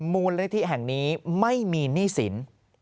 มูลนิธิแห่งนี้ไม่มีหนี้สิน